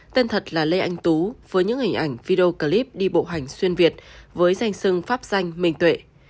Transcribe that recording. tên thật là lê anh tú với những hình ảnh video clip đi bộ hành xuyên việt với danh sưng pháp danh minh tuệ